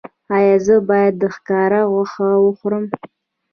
ایا زه باید د ښکار غوښه وخورم؟